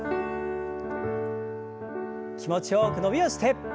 気持ちよく伸びをして。